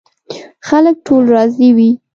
خلک ټول راضي وي.